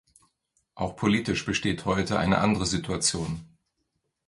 Auch politisch besteht heute eine andere Situation.